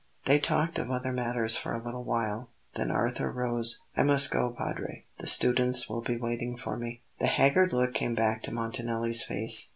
They talked of other matters for a little while; then Arthur rose. "I must go, Padre; the students will be waiting for me." The haggard look came back to Montanelli's face.